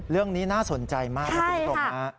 เรื่องนี้น่าสนใจมากถูกตรงนะ